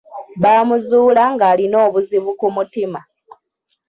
Baamuzuula ng'alina obuzibu ku mutima.